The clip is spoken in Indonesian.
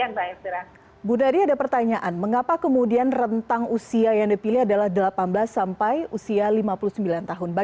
bagaimana jika masyarakat yang sudah menelan yang sudah menelan yang sudah menelan yang sudah menelan yang sudah menelan yang sudah menelan yang sudah menelan yang sudah menelan yang sudah menelan yang sudah menelan